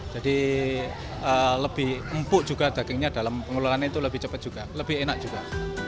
jadi lebih empuk juga dagingnya dalam pengelolaannya itu lebih cepat juga lebih enak juga